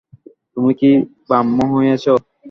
তুমি কি ব্রাহ্ম হইয়াছ?